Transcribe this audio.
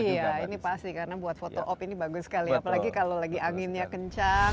iya ini pasti karena buat foto op ini bagus sekali apalagi kalau lagi anginnya kencang